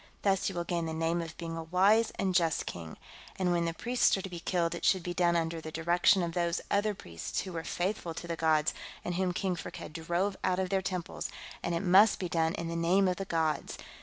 Thus you will gain the name of being a wise and just king. And when the priests are to be killed it should be done under the direction of those other priests who were faithful to the gods and whom King Firkked drove out of their temples, and it must be done in the name of the gods.